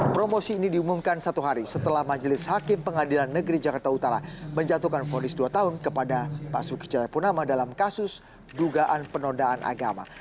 promosi ini diumumkan satu hari setelah majelis hakim pengadilan negeri jakarta utara menjatuhkan fonis dua tahun kepada basuki cahayapunama dalam kasus dugaan penodaan agama